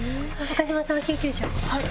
岡島さんは救急車を。